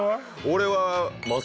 俺は。